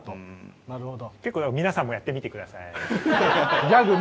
なるほど。